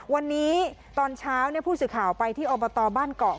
วันนี้ตอนเช้าผู้สื่อข่าวไปที่อบตบ้านเกาะ